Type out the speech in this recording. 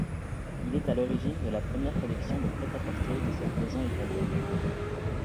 Il est à l'origine de la première collection de prêt-à-porter de cette maison italienne.